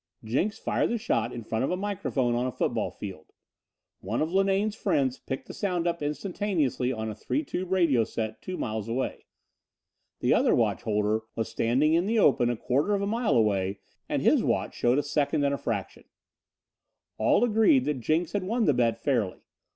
Jenks fired the shot in front of a microphone on a football field. One of Linane's friends picked the sound up instantaneously on a three tube radio set two miles away. The other watch holder was standing in the open a quarter of a mile away and his watch showed a second and a fraction. All hands agreed that Jenks had won the bet fairly.